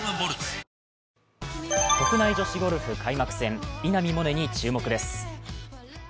おおーーッ国内女子ゴルフ開幕戦、稲見萌寧に注目です。